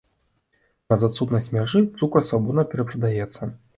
Праз адсутнасць мяжы цукар свабодна перапрадаецца.